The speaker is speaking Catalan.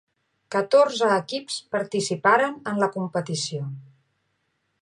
Catorze equips participaren en la competició.